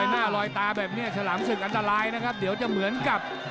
หน้าลอยตาแบบนี้ฉลามศึกอันตรายนะครับเดี๋ยวจะเหมือนกับ